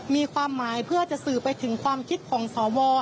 มีความหมายเพื่อจะสื่อไปถึงความคิดของสว